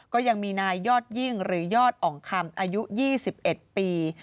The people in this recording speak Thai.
ก็ยังมีนายยอดยิ่งหรือยอดอ่องคำอายุ๒๑ปี